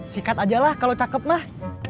sikat aja lah kalau cakep mah